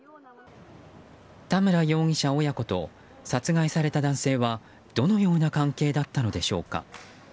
田村容疑者親子と殺害された男性はどのような関係だったのでしょうか。